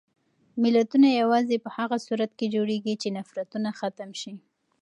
ملتونه یوازې په هغه صورت کې جوړېږي چې نفرتونه ختم شي.